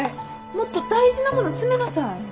もっと大事なもの詰めなさい。